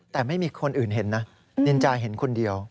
แต่ไม่มีคนอื่นเห็นนะนินจาเห็นคนเดียว